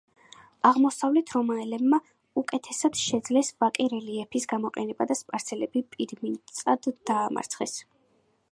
აღმოსავლეთ რომაელებმა უკეთესად შეძლეს ვაკე რელიეფის გამოყენება და სპარსელები პირწმინდად დაამარცხეს.